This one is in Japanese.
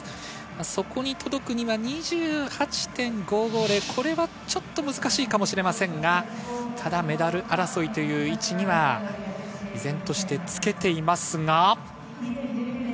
そこに届くには２８．５５０、これはちょっと難しいかもしれませんが、ただメダル争いという位置には依然としてつけています。